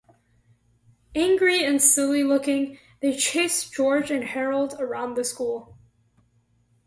Angry and silly-looking, they chase George and Harold around the school.